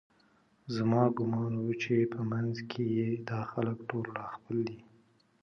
زما ګومان و چې په منځ کې یې دا خلک ټول راخپل دي